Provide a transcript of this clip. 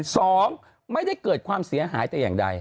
สองไม่ได้เกิดความเสียหายแต่อย่างใด